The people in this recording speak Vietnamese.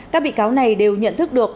các bị cáo này đều nhận thức được